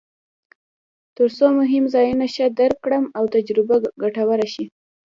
ترڅو مهم ځایونه ښه درک کړم او تجربه ګټوره شي.